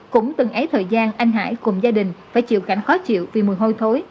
cũng từng ấy thời gian anh hải cùng gia đình phải chịu cảnh khó chịu vì mùi hôi thối